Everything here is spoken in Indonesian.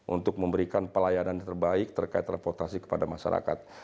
untuk memberikan pelayanan terbaik terkait transportasi kepada masyarakat